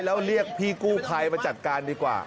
แล้วเรียกพี่กู้ภัยมาจัดการดีกว่า